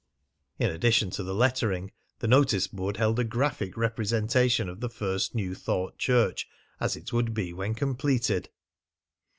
In addition to the lettering, the notice board held a graphic representation of the First New Thought Church as it would be when completed.